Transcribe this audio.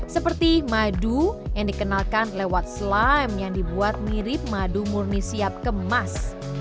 seperti madu yang dikenalkan lewat slime yang dibuat mirip madu murni siap kemas